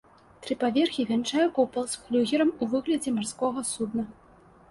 Тры паверхі вянчае купал з флюгерам у выглядзе марскога судна.